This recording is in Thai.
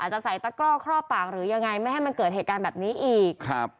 จะใส่ตะกร่อครอบปากหรือยังไงไม่ให้มันเกิดเหตุการณ์แบบนี้อีกครับ